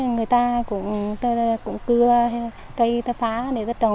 người ta phải phá đất trồng